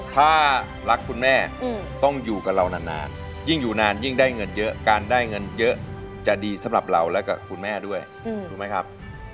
ถ้ารักคุณแม่ต้องอยู่กับเรานานยิ่งอยู่นานยิ่งได้เงินเยอะการได้เงินเยอะจะดีสำหรับเราและกับคุณแม่ด้วยถูกไหมครับ